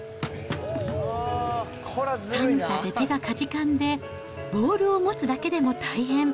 寒さで手がかじかんで、ボールを持つだけでも大変。